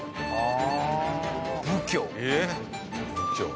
ああ！